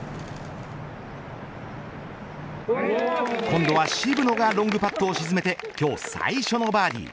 今度は渋野がロングパットを沈めて今日最初のバーディー。